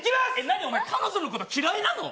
何、お前、彼女のこと嫌いなの？